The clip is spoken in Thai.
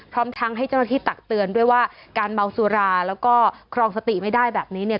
พร้อมทั้งให้เจ้าหน้าที่ตักเตือนด้วยว่าการเมาสุราแล้วก็ครองสติไม่ได้แบบนี้เนี่ย